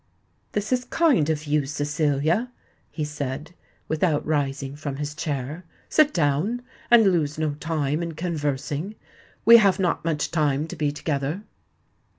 "This is kind of you, Cecilia," he said, without rising from his chair. "Sit down, and lose no time in conversing—we have not much time to be together."